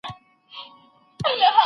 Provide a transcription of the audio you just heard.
کېدای سي ږغ کم وي.